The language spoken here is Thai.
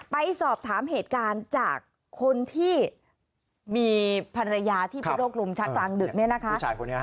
ไปสอบถามเหตุการณ์จากคนที่มีภรรยาที่แช่โรครุมชาติกลางดึกมินะครับ